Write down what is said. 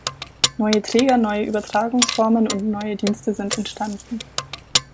Neue Träger, neue Übertragungsformen und neue Dienste sind entstanden.